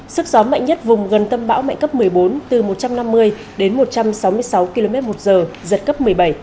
sức gió mạnh nhất vùng gần tâm bão mạnh cấp một mươi bốn từ một trăm năm mươi đến một trăm sáu mươi sáu km một giờ giật cấp một mươi bảy